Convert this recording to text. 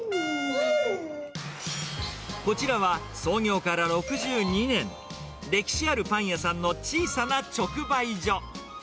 こちらは、創業から６２年、歴史あるパン屋さんの小さな直売所。